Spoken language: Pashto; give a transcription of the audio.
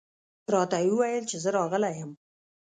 راته یې وویل چې زه راغلی یم.